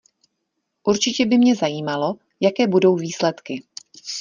Určitě by mě zajímalo, jaké budou výsledky.